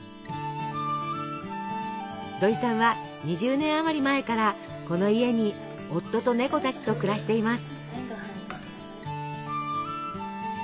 どいさんは２０年あまり前からこの家に夫とネコたちと暮らしています。